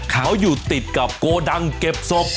เขาอยู่ติดกับโกดังเก็บศพ